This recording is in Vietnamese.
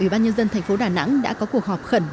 ủy ban nhân dân thành phố đà nẵng đã có cuộc họp khẩn